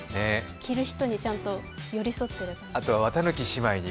着る人にちゃんと寄り添っている感じ。